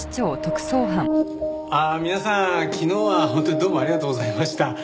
皆さん昨日は本当にどうもありがとうございました。